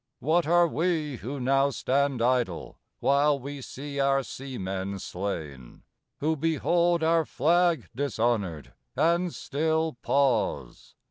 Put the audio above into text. What are we who now stand idle while we see our seamen slain? Who behold our flag dishonored, and still pause!